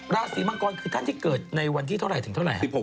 ราศีมังกรคือท่านที่เกิดในวันที่เท่าไหร่ถึงเท่าไหร่